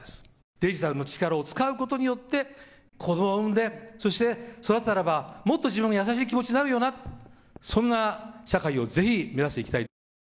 デジタルの力を使うことによって、子どもを産んで、そして育てたらば、もっと自分も優しい気持ちになるよな、そんな社会をぜひ目指していきたい。